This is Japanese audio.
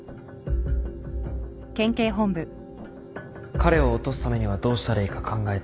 彼を落とすためにはどうしたらいいか考えて。